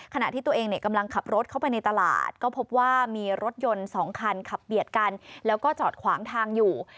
ขณะที่ตัวเองกำลังขับรถเข้าไปในตลาดก็พบว่ามีรถยนต์๒คันขับเบียดกันแล้วก็จอดขวางทางอยู่